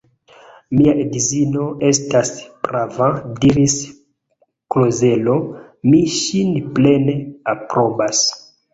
Mia edzino estas prava, diris Klozelo: mi ŝin plene aprobas.